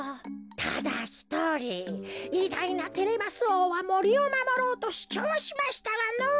ただひとりいだいなテレマスおうはもりをまもろうとしゅちょうしましたがのぉ。